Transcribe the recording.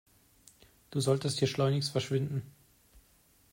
Du solltest hier schleunigst verschwinden.